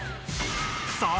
さあ！